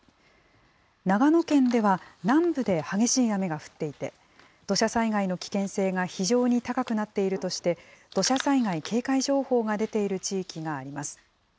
長野県では南部で激しい雨が降っていて、土砂災害の危険性が非常に高くなっているとして、土砂災害警戒情報が出ている地域があります。